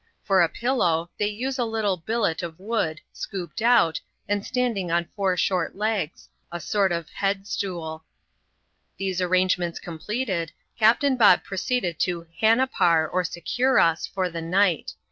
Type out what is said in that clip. For a pillow, they rm a little billet of wood, scooped out, and standing on four ahflrt legs — a sort of head stooL These arrangements completed, Captain Bob proceeded to ^^hannapar," or secure us, for the night.